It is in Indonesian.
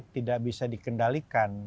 tidak bisa dikendalikan